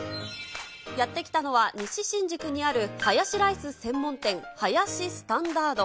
やって来たのは、西新宿にあるハヤシライス専門店、ハヤシスタンダード。